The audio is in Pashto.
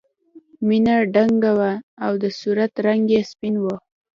مینه دنګه وه او د صورت رنګ یې سپین و